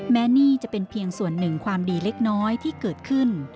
นี่จะเป็นเพียงส่วนหนึ่งความดีเล็กน้อยที่เกิดขึ้น